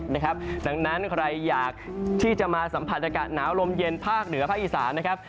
ดังนั้นใครอยากที่จะมาสัมผัสอากาศหนาวลมเย็นภาคเหนือภาคอีสานนะครับ